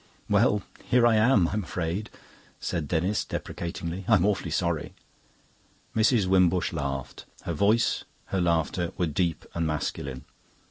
"Well, here I am, I'm afraid," said Denis deprecatingly. "I'm awfully sorry." Mrs. Wimbush laughed. Her voice, her laughter, were deep and masculine.